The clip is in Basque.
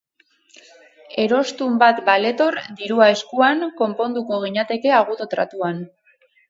Erostun bat baletor, dirua eskuan, konponduko ginateke agudo tratuan.